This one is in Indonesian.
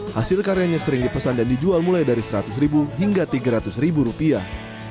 hasil karyanya sering dipesan dan dijual mulai dari seratus ribu hingga tiga ratus ribu rupiah